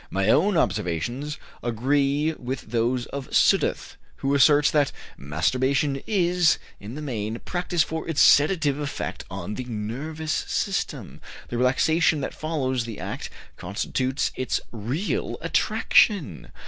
My own observations agree with those of Sudduth, who asserts that "masturbation is, in the main, practiced for its sedative effect on the nervous system. The relaxation that follows the act constitutes its real attraction....